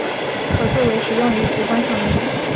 可做为食用鱼及观赏鱼。